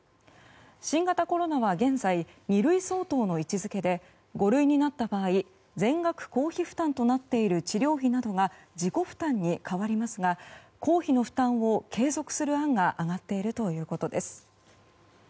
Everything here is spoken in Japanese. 新型コロナは現在、二類相当の位置づけで五類になった場合全額公費負担となっている治療費などが自己負担に変わりますが公費の負担を継続する案が挙がっているということです。